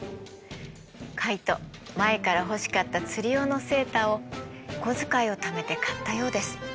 カイト前から欲しかった釣り用のセーターをお小遣いをためて買ったようです。